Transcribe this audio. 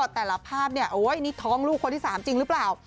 แต่ละภาพเนี่ยโอ๊ยนี่ท้องลูกคนที่๓จริงหรือเปล่า